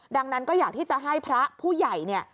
ดังนั้นก็อยากที่จะให้พระผู้ใหญ่เนี่ย